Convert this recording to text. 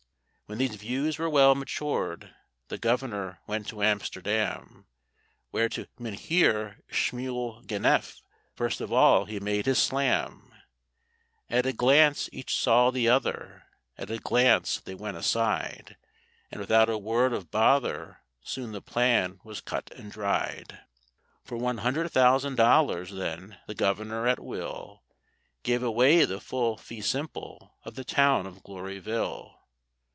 When these views were well matured the Governor went to Amsterdam, Where to Mynheer Schmuel Ganef first of all he made his slam: At a glance each "saw" the other—at a glance they went aside, And without a word of bother soon the plan was cut and dried. For one hundred thousand dollars then the Governor at will Gave away the full fee simple of the town of Gloryville.